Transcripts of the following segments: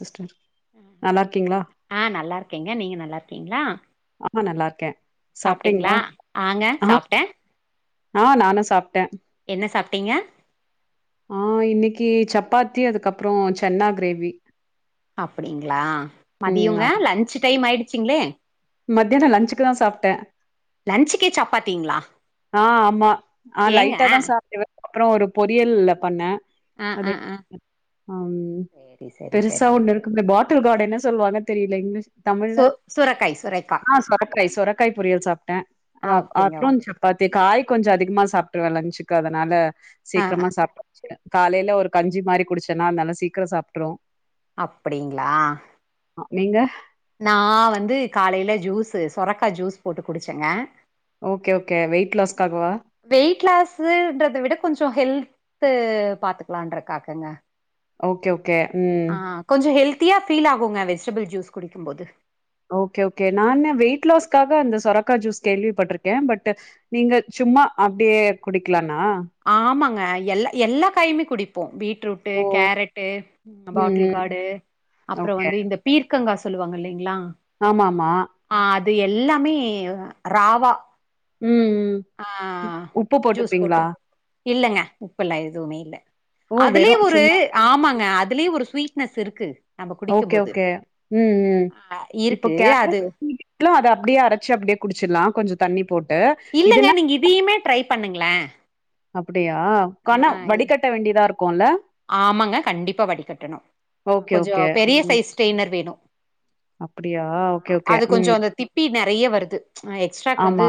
Sister நல்லா இருக்கீங்களா ஆஹ் நல்லா இருக்கேங்க நீங்க நல்லா இருக்கீங்களா ஆமா நல்லாருக்கே சாப்ட்டிங்ளா ஆங்க சாப்ட்ட ஆ நானு சாப் ட்ட சாப்ட்டீங்க ஆ இன்னைக் கி சப்பாத்தி அதுக்கப்பற சன்னா கிரேவி அப்படிங்ளா மதியங்க லன்ச் டைம் ஆயிடு ச்சுங்ளே மத்யான லன்ச்சுக்குதா சாப்ட்ட லன்ச்சுக்கே சப்பாத்திங்களா ஆ ஆமா ஆ ஏங்க லைட்டாதா சாப்டுவ அப்பற ஒரு பொரியல்ல பண்ண ஆ ஆ அது ஆ ம் சேரி சேரி பெருசா சரிங்க ஒண்ணு இருக்கும்ல பாட்டில் கார்டு என்ன சொல்வாங்க தெரில இங்கிலீஷ் தமிழ்ல சு சுரக்காய் சுரைக்கா ஆ சொரக்காய் சொரக்காய் பொரியல் சாப்ட்ட அ ஆ ஓகேங்க அப்ற ஓகேங்க காய் கொஞ்ச அதிகமா சாப்ட்ருவ லன்ச்சுக்கு அதனால ஆ ஆ சீக்ரமா சாப்ட்டு முடிச்சிட்ட காலையில ஒரு கஞ்சி மாரி குடிச்சனா அதனால சீக்கர சாப்ட்ருவோ அப்படிங்ளா நீங்க நா வந்து காலைல ஜூஸு சொரக்கா ஜூஸ் போட்டு குடிச்சங்க ஓகே ஓகே வெயிட் லாஸ்க்காகவா வெயிட் லாஸ்ன்றத விட கொஞ்ச ஹெல்த் து பாத்துக்கலான்றக்காகங்க ஓகே ஓ ஆ கொஞ்ச ஹெல்த் தியா ஃபீல் ஆகுங்க வெஜிடபிள் ஜூஸ் குடிக்கும் போது ஓகே ஓகே நானு வெயிட் லாஸ்க்காக அந்த சொரக்கா ஜூஸ் கேள்விப்பட்ருக்கே பட் நீங்க சும்மா அப்டியே குடிக்கலா ஆமாங்க எல்லா எல்லா காயுமே குடிப்போ பீட் ரூட்டு, ஓ கேரட்டு, ம் பாட்டில் ம் கார்டு, அப்பறோ வந்து இந்த பீர் க்கங்கா சொல்லுவாங்க இல்லங்ளா ஆமா ஆமா து எல்லாமே ராவா ம், ஆ ம் உப்பு போட்டுப்பீங்ளா இல்லைங்க உப்பு எல்லா எதுமே இல்ல ஓ அதுலே வெறு ஒரு சும்மாவே ஆமாங்க அ அதுலயே ஒரு ஸ்வீட்னஸ் இருக்கு நம்ம ஓகே குடிக்கும்போது. ஓகே ம் ம் இப்போ இருக்கு. கேரட் அது பீட்ரூட்லா அத அப்டியே அரைச்சு அப்டியே குடிச்சிட்லா கொஞ்சோ தண்ணி போட் இல்லங்க நீங்க இதையுமே ட்ரை பண்ண பண்ணுங்களே அப் யா கணம் வடிகட்ட வேண்டியதா இருக்கு ஆமாங்க கண்டிப்பா வடிகட்டணு ஓகே கொஞ்சோ பெரிய சைஸ் ஸ்டெயினர் வேணு அப்பிடியா ஓகே ஓகே கொஞ்சோ உம் அந்த திப்பி நெறைய வருது எக்ஸ்ட்ராக்கு வந்து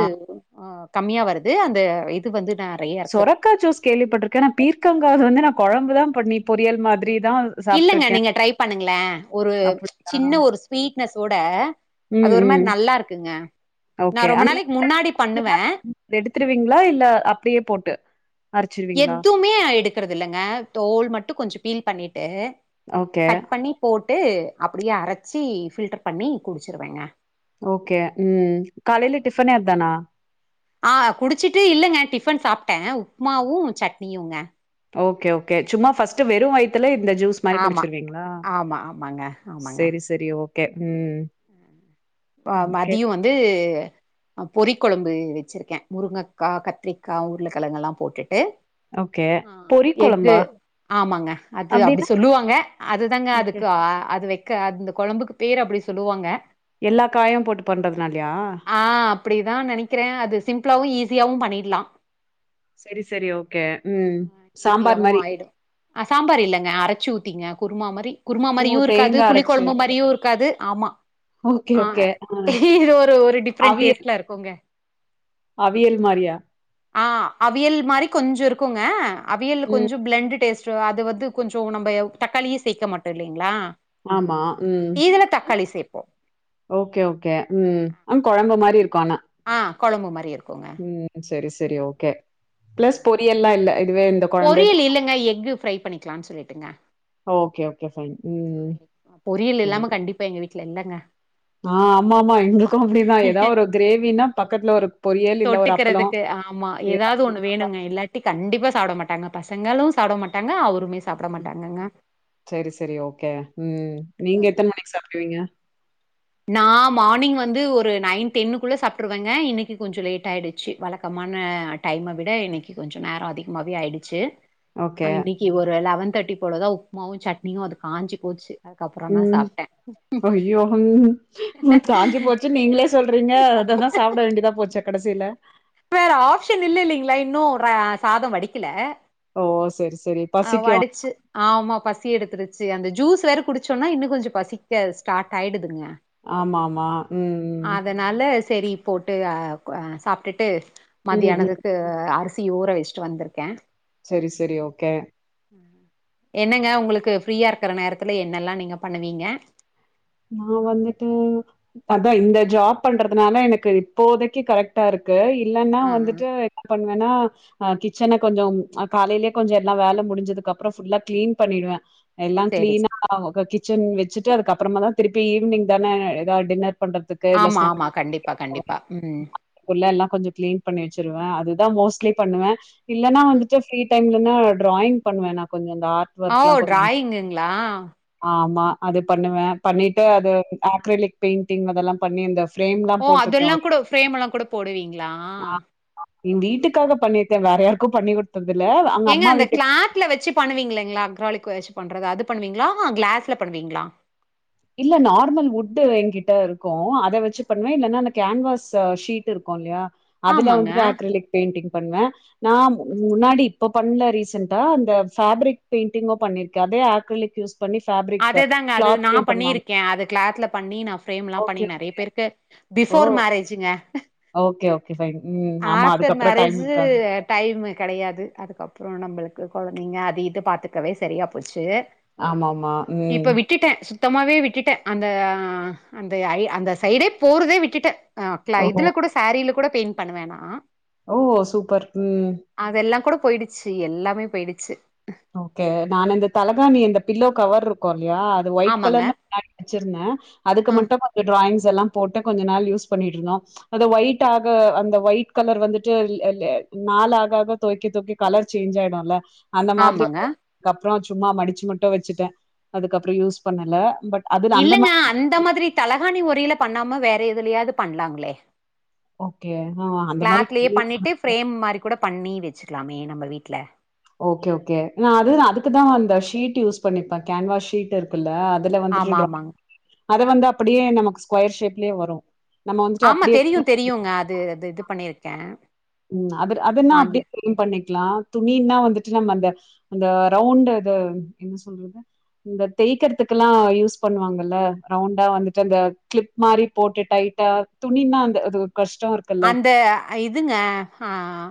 கம்மியா வருது அந்த இது வந்து நெறைய இருக்கு சொரக்கா ஜுஸ் கேள்விப்பட்டிருக்க ஆனா பீர்க்கங்கா வந்து நா கொழம்பு தா பண்ணி பொறியல் மாதிரி தான் இல்லங்க சாப்ட்டுருக்கேன் நீங்க ட்ரை பண்ணுங்களே ஒரு அப்டியா சின்ன ஒரு ஸ்வீட்னஸ்சோட அது ம் ஒரு மாரி ம் நல்லா இருக்குங்க நா ஓகே ரொம்ப அ நாளைக்கு முன்னாடி கொ பண்ணுவே எடுத்துருவீங்களா இல்ல அப்டியே போட்டு அரைச்சிருவீங்களா? எத்வுமே நா எ கிறது இல்லங்க தோல் மட்டு கொஞ்சோ பீல் பண்ணிட்டு டு ஓகே கட் பண்ணி போட்டு அப்பிடியே அரச்சு ஃபில்டர் பண்ணி குடிச்சிருவேங்க ஓகே உம் காலில டிஃபன்யே அதானா ஆஹ் குடிச்சிட்டு இல்லங்க டிஃபன் சாப்பிட்டே உப்மாவு சட்னியும்ங்க ஓகே ஓகே சும்மா ஃபர்ஸ்ட் வெறு வயித்துல இந்த ஜூஸ் மாரி ஆமா குடிச்சிருவீங்களா ஆமா செரி செரி ஓ கே ஓகே, மதியம் வந்து பொறி கொழம்பு வெச்சுருக்கே முருங்கக்கா கத்திரிக்கா உருளக்கெழங்குலா போட்டுட்டு ஓகே. ஆஹ் பொறி எஃகு குழம்பா? ஆமாங்க அது அப்டி அப்டின்னா? சொல்லுவாங்க அதுதாங்க ஓகே. அதுக்கு அது வைக்க அது இந்த கொழம்புக்கு பேர் அப்டி சொல்லுவாங்க எல்லா காயும் போட்டு பண்றதுனாலயா? ஆஹ் அப்டிதா நெனைக்கிற அது சிம்பிளாவு ஈஸி ஈசியாவு பண்ணிறலா சரி, சரி. ஓகே. ம். சாம்பார் ஈஸியாவு மாரி. ஆயிடு அஹ் சாம்பார் இல்லங்க அரச்சு ஊத்திங்க குருமா மாரி குருமா ஓ! மாரியு இருக்காது தேங்கா புளி அரைச்சு கொழம்பு வச்சு. மாரியு இருக்காது ஆமா ஓகே ஆ ஓகே ஆஹ இது ஒரு ஒரு டிஃப்ரெண்ட் அவியல் டேஸ்ட்ல இருக்குங்க அவியல் மாரியா ஆஹ் அவியல் மாரி கொஞ்சோ இருக்குங்க அவியல் ம். கொஞ்சம் பிளண்ட் டேஸ்ட் அது வந்து கொஞ்சம் நம்ம தக்காளியே சேர்க்க மாட்டோம் இல்லைங்களா ஆமா உம் இதுல தக்காளி சேப்போ ஓகே ஓகே உம் அ குழம்பு மாதிரி இருக்கு கண ஆஹ் குழம்பு மாதிரி இருக்கும் உம் சரி சரி சரி ஓகே ப்ளஸ் பொரியல் எல்லாம் இல்லே இதுவேண்டும் பொறியல் இல்லேங்க எக்கு ஃப்ரை பண்ணிக்கலாம்ன்னு சொல்லிட்டுங்க ஓகே ஓகே ஃபைன் ம். பொரியல் இல்லாம கண்டிப்பா எங்க வீட்டுல இல்லங்க ஆஹ் ஆமா ஆமா எங்களுக்கும் அப்படிதான் ஏதாவது ஒரு கிரேவினா பக்கத்துல ஒரு பொரியல் இல்ல ஒரு அப்பளம் தொட்டுக்கிறதுக்கு ஆமா ஏதாவது ஒண்ணு வேணுங்க இல்லாட்டி கண்டிப்பா சாப்ட மாட்டாங்க பசங்களும் சாப்ட மாட்டாங்க அவருமே சாப்ட ம் மாட்டாங்கங்க சரி சரி ஓகே உம் நீங்க சொல்லுங்க எத்தனை மணிக்கு சாப்பிடுவீங்க நான் மார்னிங் வந்து ஒரு நைன் டென்னுக்குள்ள சாப்பிட்டுருவேங்க இன்னைக்கு கொஞ்சம் லேட் ஆயிடுச்சு வழக்கமான டைம விட இன்னைக்கு கொஞ்சம் நேரம் அதிகமாவே ஆயிடுச்சு ஓகே ஆஹ் இன்னைக்கு ஒரு லெவன் தட்டி போடுதா உப்புமாவும் சட்னியும் அது காஞ்சு போச்சு அதுக்கப்புறம் தான் சாப்டேன் உம் காஞ்சு போச்சு நீங்களே சொல்றீங்க அத தான் சாப்பிட வேண்டியதா போச்சு கடைசியிலே வேற ஆப்ஷன் இல்லே இல்லைங்களா இன்னும் சாதம் வடிக்கலே ஓ சரி சரி ஆஹ் பசிக்கு வடிச்சு ஆமா பசி எடுத்துருச்சு சரி அந்த ஜூஸ் வேறு குடிச்சோன்னா இன்னும் கொஞ்சம் பசிக்க ஸ்டார்ட் ஆகிடுதுங்க ஆமா ஆமா உம் உம் அதனால சரி போட்டு சாப்பிட்டுட்டு ம் ம் ம் மத்தியானதுக்கு அ அரிசி ஊற வச்சிட்டு வந்திருக்கேன் சரி சரி ஓகே என்னங்க உங்களுக்கு ஃப்ரீயா இருக்கற நேரத்துல என்னெல்லா நீங்க பண்ணுவீங்க நான் வந்துட்டு அதான் இந்த ஜாப் பண்றதுனால எனக்கு இப்போதைக்கு கரெக்ட்டா இருக்கு இல்லன்னா ஆ ஆ வந்துட்டு என்ன பண்ணுவன்னா ஆஹ் கிச்சன கொஞ்சம் காலைலயே கொஞ்சம் எல்லா வேலை முடிஞ்சதுக்கு அப்புறம் ஃபுல்லா கிளீன் பண்ணிடுவேன் எல்லாம் சேரி சே கிளீனா [inaudible] கிச்சன் வச்சுட்டு அதுக்கப்புறமா தான் திருப்பி ஈவினிங்தான ஏதாவது டின்னெர் பண்றதுக்கு இல்ல ஆமா ஆமா ஸ்நேக்ஸ் கண்டிப்பா கண்டிப்பா ம் எல்லாம் கொஞ்சம் கிளீன் பண்ணி வச்சிருவேன் அது ப்பா மோஸ்ட்லி பண்ணுவே இல்லன்னா அ. வந்துட்டு பிரிட் டைம் இல்லனா டிராயிங் பண்ணுவே நான் கொஞ்சோ இந்த ஆர்ட் ஓ ஒர்க்லா கொஞ்சோ டிராயிங்குங்களா ஆமா அது பண்ணுவே பண்ணிட்டு அ. அது அக்ரலிக் பெயிண்டிங் அதெல்லாம் பண்ணி அந்த ஓ அதெல்லா கூட ஃப்ரேம்லா கூட போடுவீங்களா ம் வீட்டுக்காக பண்ணிருக்கே வேற யாருக்கு பண்ணி குடுத்ததில்ல. அங்க ஏங்க அம்மா அந்த வீட்டுக்கு கிளாத்ல வச்சு பண்ணுவீங்களேங்களா அக்ராளிக்கு ச்சு பண்றது அது பண்ணுவீங்களா கிளாஸ்ல பண்ணுவீங்களா இல்ல நார்மல் வுட் என்கிட்ட இருக்கும் அத வச்சு பண்ணுவே இல்லன்னா அந்த கேன்வாஸ் ஷீட் இருக்கு இல்லையா அதுல ஆமாங்க வந்துட்டு அக்ரலிக் பெய்ண்டிங் பண்ணுவே நான் முன்னாடி இப்ப பண்ணல ரீசண்டா அந்த ஃபேபரிக் பெயிண்ட் [unintelligible] பண்ணிருக்கே அதே ஆர்க்களிக் யூஸ் பண்ணி பேப்ரிக் அதேதாங்க அது கிளாத் நா பண்ணியிருக்கே அது கிளாத்ல பண்ணி நான் பிரேம்லா பண்ணி ஓகே, நிறைய ஓகே. பேருக்கு ஓ! பீபோர் மேரேஜுங்க ஓகே, ஓகே. ஃபைன். ம். ஆமா ஆப்டர் அதுக்கப்புறம் டைம் மேரேஜு இருக்காது. டைம் கிடையாது அதுக்கப்புறோ நம்மளுக்கு குழந்தைங்க அது இது பாத்துக்கவே சரியா போச்சு ஆமாமா ம். இப்ப விட்டுட்டே சுத்தமாவே விட்டுட்டே அந்த அந்த ஐ அந்த சைடே போறதே விட்டுட்டே ஆா க்ல ஓஹோ இதுல கூட சேரிலக் கூட பெயிண்ட் பண்ணுவேன் நா ஓ சூப்பர் உம் அதெல்லா கூட போயிடுச்சு எல்லாமே போயிடுச்சு ஓகே நான் இந்த தலகாணி இந்தந்த பில்லோ கவர் இருக்கு இல்லயா அது ஒயிட் ஆமாங்க கலர் வச்சிருந்தேன் அதுக்கு ஆ மட்டும் கொஞ்சம் டிராயிங் எல்லா போட்டு கொஞ்ச நாள் யூஸ் பண்ணிட்டு இருந்தோ அத ஒயிட் ஆக அந்த ஒயிட் கலர் வந்துட்டு நால ஆக ஆ துவக்க துவக்க கலர் சேஞ்ச் ஆயிடும்ல்ல அந்த மாதிரி ஆமாங்க அப்புறம் சும்மா மடிச்சு மட்டும் வச்சுட்டேன் அதுக்கப்புறோ யூஸ் பண்ணல பட் அது அந்த இல்லங்க மாரி அந்த மாதிரி தலகாணி உறையில பண்ணாம வேற எதுலயாவது பண்ணலாங்களே ஓகே. ஆ அந்த மாரி கிளாத்லயே பண்ணிட்டு பிரேம் மாதிரி கூட பண்ணி வச்ச வச்சுக்கலாமே நம்ம வீட்டுல ஓகே ஓகே நா அது அதுக்குதான் அந்த ஷீட் யூஸ் பண்ணிப்பே கேன்வாஸ் ஷீட் இருக்குல்ல அதுல வந்துட்டு ஆமா டிரா ஆமாங்க அதை வந்து அப்படியே நமக்கு ஸ்கொயர் ஷேப் யே வரும் ஆமா தெரியும் தெரியுங்க அது அது இது பண்ணியிருக்கு க உம் அது அதனா அப்டிக் பண்ணிக்கலா துணின்னா வந்துட்டு நம்ப அந்த ரவுண்டது இந்த தேய்கிறதுக்கெல்லா யூஸ் பன்னுவாங்கள ரவுண்டவந்துட்டு அந்த கிளிப்மாரி போட்டு டைட்டா துணிணா அந்த கஷ்டோ இருக்குல்ல அந்த இதுங்க ஆஹ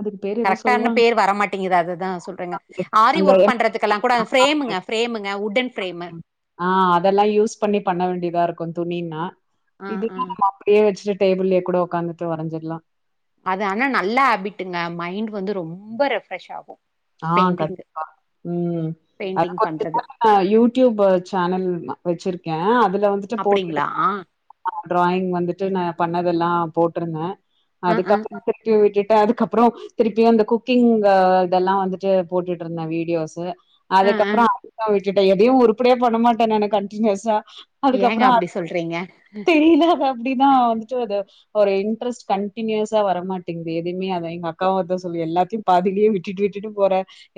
அதுக்கு பேரு ஏதோ கரெக்டான சொல்லுவாங்க பேர் வரமாட்டேங்குது அததுதான் சொல்றங்க ஆரி அந்த ஒர்க் எம் பண்றதுல்லா கூட பிரேமுங்க பிரேமுங்க வுட்டன் பிரேமு துணின்மா இதுல்லா நம்ம அப்டியே வச்சட்டு டேபிள்லயே கூட கூட்காந்துட்டு வரைஞ்சிடலா அது ஆனா நல்ல ஹேபிட்டுங்க மைண்ட் வந்து ரொம்ப ரெஃப்ரெஷ் ஆகும் ஆஹ் கண்டிப்பா உஹம் அத பெயிண்டிங் கொஞ்சோ பண்றது நாள்ல யூடியூப் சேனல் வச்சிருக்கே ஹஅது வந்துட்டு போட்டு அப்டிங்களா ஆ ட்ராயிங் வந்துட்டு நா பண்ணதெல்லா போட்டிருந்தே ஆ ஆ அதுக்கப்புறம் திருப்பி விட்டுட்டு அதுக்கப்புறோ திருப்பியு அந்த குக்கிங் இதெல்லா வந்துட்டு போட்டுட்டு இருந்தேன் வீடியோஸ்சு ஆ ஆ அதுக்கப்றோ அக்காவிட்டு விட்டுட்ட எதையு உறுப்டியா பண்ணமாட்டே நானு கண்டினியஸ்ஸா ஏங்க அதுக்கப்புறோ அப்டி அகு சொல்றீங்க தெரில அப்டிதா வந்துட்டு அது ஒரு இன்டரஸ்ட் கண்டினியூஸா வர மாட்டேங்குது எதுவுமே அதான் எங்க அக்காவு அதா சொல்லு எல்லாத்தையு பாதிலயே விட் டுட்டு விட்டுட்டு போற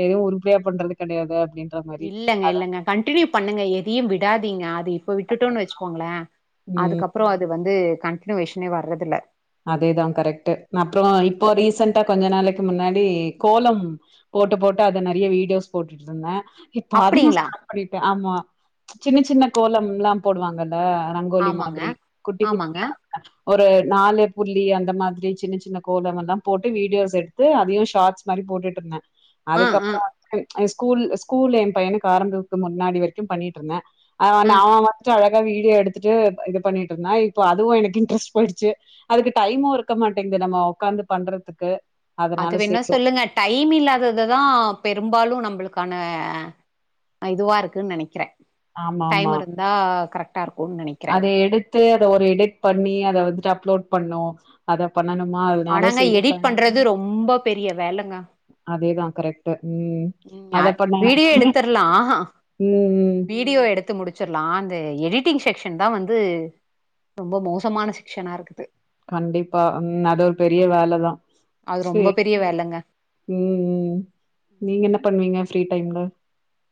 எதும் உறுப்படியா பண்றது கெடையாது அப்டின்ற மாரி இல்லங்க அதா இல்லங்க கண்டினியூ பண்ணுங்க எதையு விட் விடாதிங்க அது இப்போ விட்டுட்டோன் வெச்சுக்கோங்களே ம் அதுக்கப்றோ அது வந்து கண்டினியூஷனே வர்றதில்ல அதேதா கரெக்ட்டு அப்றோ இப்போ அது ரீசன்ட்டா கொஞ்ச நாளைக்கு முன்னாடி கோலம் போட்டு போட்டு அத நெறையா வீடியோஸ் போட்டுட்ருந்தே இப்போ அதுமே அப்டிங்களா ஸ்டாப் பண்ணிட்ட ஆமா சின்ன சின்ன கோலம்லா போடுவாங்க ல்ல ரங்கோலி ஆமாங்க மாதிரி குட்டி ஆமாங்க குட்டியா ஒரு நாலு புள்ளி அந்த மாதிரி சின்ன சின்ன கோலமெல்லா போட்டு வீடியோஸ் எடுத்து அதையு ஷார்ட்ஸ் மாரி போட்டுட்ருந்த ஆ ஆ அதுக்கப்ற வந்து எ ஸ்கூல் ஸ்கூல் எம் பையனுக்கு ஆரம்பிக்கு முன்னாடி வரைக்கு பண்ணிட்ருந்த ஆ நா அவ வன்ட்டு அது வரைக் கு வீடியோ எடுத்துட்டு இது பண்ணிட்ருந்தா இப்ப அதுவு எனக்கு இன்ட்ரெஸ்ட் போயிடுச்சு அதுக்கு டைமு இருக்க மாட்டேங்து நம்ம உக்காந்து பண்றதுக்கு அது அதனால வேணா சேரி சொல்லுங்க டைம் இல்லாததுதா பெரும்பாலு நம்புளுக்கான இதுவா இருக்குன் நெனைக்கிற ஆமாமா இருக்கும்னு நெனைக்கிறேன். அத எடுத்து அத ஒரு எடிட் பண்ணி அத வந்துட்டு அப்லோட் பண்ணு அத பண்ணணுமா அதனால ஆனாங்க சேரி எடிட் டைம் பண்றது ரொம்ப பெரிய வேலங்க கரெக்ட்டு ம் அ அத பண்ணங்க வீடியோ எடுத்துர்லாம். ம் ம் வீடியோ எடுத்து முடிச்சர்லா அந்த எடிட்டிங் செக்க்ஷன்தா வந்து ரொம்ப மோசமான செக்க்ஷனா இருக்குது கண்டிப்பா ம் அது ஒரு பெரிய அது வேலதா அது ரொம்ப சேர் பெரிய வேலங்க. ம் ம் நீங்க என்ன பண்ணுவிங்க ஃப்ரீ டைம்ல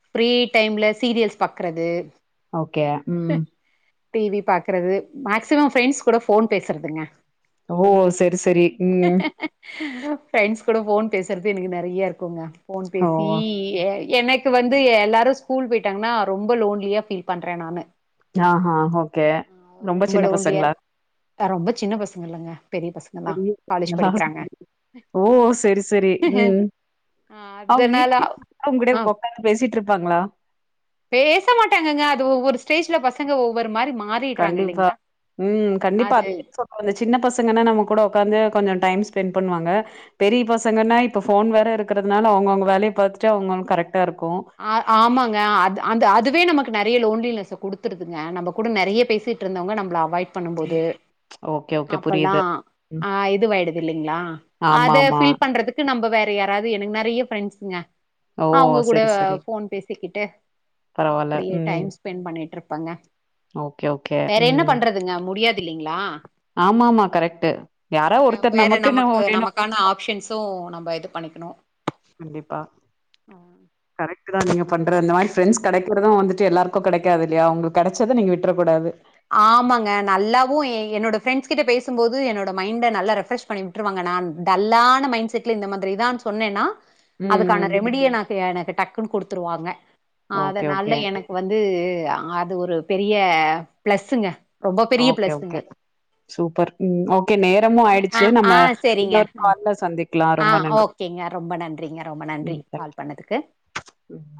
ஃப்ரீ டைம்ல சீரியல்ஸ் பாக்றது க்கே ம் டி வி பாக்கறது மேக்சிமம் ஃப்ரெண்ட்ஸ் கூட ஃபோன் பேசறதுங்க ஓ சரி சரி ம் ஃப்ரெண்ட்ஸ் கூட ஃபோன் பேசறது எனக்கு நெறையா இருக்குங்க ஃபோன் ஓ பேசி ஏய் எனக்கு வந்து எல்லாரு ஸ்கூல் போயிட்டாங்கனா ரொம்ப லோன்லியா ஃபீல் பண்றே நானு யா ஹா ஓகே ஆ ரொம்பச் ரொம்ப சின்ன லோன்லியா பசங்களா இருக்கு அ ரொம்ப சின்ன பசங்க இல்லங்க பெரிய பசங்கதா காலேஜ் படிக்கிறாங்க [unintelligible] ஓ செரி செரி ம் ஆ அவங்க அதனால ஈர்க்கி அவுங்கிட்ட ஆ உக்காந்து பேசிட்டு இருப்பாங்ளா பேச மாட்டாங்கங்க அது ஒவ்வொரு ஸ்டேஜ்ல பசங்க ஒவ்வொரு மாரி மாறு கண்டிப்பா ம் கண்டிப்பா அது அத [inaudible] அ சின்னப் பசங்கன்னா நம்மக் கூட உக்காந்து கொஞ்சோ டைம் ஸ்பெண்ட் பண்வாங்க பெரிய பசங்கன்னா இப்ப ஃபோன் வேற இருக்கிறதுனால அவ்ங்கங்க வேலையப் பார்த்துட்டு அவ்ங்க கரெக்ட் அ ஆமாங்க அது அந்த அதுவே நமக்கு நெறைய லோன்லினெஸ்ஸ குடுத்துருதுங்க நம்ப கூட நெறைய பேசிட்டுருந்தவங்க நம்ப்ள அவாய்ட் ம் பண்ணும்போது ஓகே, ஓகே. அப்பல்லா புரியுது. ம். அ இதுவாயிடுது இல்லங்களா அத ஆமாமா. ஃபில் பண்றதுக்கு நம்ப வேற யார் ராது அது எனக்கு நெறைய ஃபிரெண்ட்ஸ்ங்க ஓ கூட சரி, சரி. ஃபோன் பேசிக்கிட்டு பரவால்ல. அப்டியே ம். டைம் ஸ்பெண்ட் பண்ணிகிட்ருப் பங்க ஓகே, ஓகே. வேற என்ன ம். பண்றதுங்க முடியாது தில்லிங்ளா ஆமாமா கரெக்ட்டு யாரா ஒருத்தர் வேற நமக்குன் நமக்கு ஒன் வேணு நமக்கான ஆப்ஷன்ஸு நம்ம இது பண்ணிக்கணு கண்டிப்பா கு தா நீங்க பண்றது இந்த மாரி ஃப்ரெண்ட்ஸ் கடைக்கிறது வந்துட்டு எல்லாருக்கு கடெக்காதுல்லையா உங்களுக்கு கெடச்சத நீங்க விட்றக்கூடாது ஆமாங்க நல்லாவும் என்னோட ஃப்ரெண்ட்ஸ் கிட்ட பேசும்போது என்னோட மைண்ட நல்லா ரெஃப்ரெஷ் பண்ணி விட்டுருவாங்க நா டல்லான மைண்ட் செட்ல இந்த மாதுரிதான் சொன்னேன்னா அதுக்கான ம். ரெமடியை நாநா கே எனக்கு டக் கு குடுத்துருவாங்க ஓகே, அதனால ஓகே. எனக்கு வந்து யா அது ஒரு பெரிய ப்ளஸுங்க ஓகே ஓகே சூப்பர் ம் ஓகே நேரமு ஆய்டுச்சு நம்ம இன்னொரு கால்ல சந்தி அ ஓகேங்க ரொம்ப நன்றிங்க ரொம்ப நன்றி ம். Call thank you. பண்ணதுக்கு ம். நன்றி.